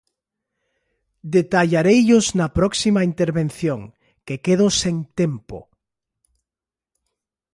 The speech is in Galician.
Detallareillos na próxima intervención, que quedo sen tempo.